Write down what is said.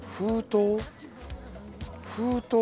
封筒？